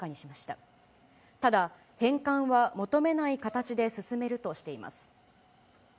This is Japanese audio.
ただ返還は求めない形で進めるとしています。